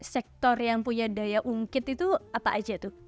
sektor yang punya daya ungkit itu apa aja tuh